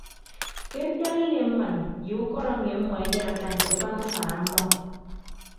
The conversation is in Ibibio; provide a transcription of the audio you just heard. Ke ntak inem mmịn ye ukọt emi ọmmọ ekedatta nte akpan ufan ọmmọ.